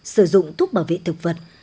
sử dụng thuốc bảo vị thực vật